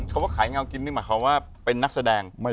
ว่าขายเงากินนี่หมายความว่าเป็นนักแสดง